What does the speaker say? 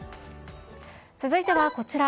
続いてはこちら。